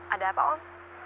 ada apa om